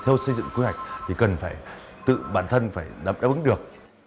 theo xây dựng quy hoạch thì cần phải tự bản thân phải đáp ứng được